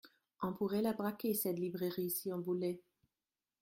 On pourrait la braquer, cette librairie, si on voulait.